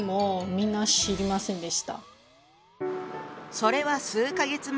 それは数か月前。